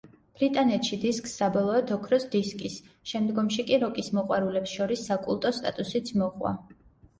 ბრიტანეთში დისკს საბოლოოდ ოქროს დისკის, შემდგომში კი, როკის მოყვარულებს შორის საკულტო სტატუსიც მოჰყვა.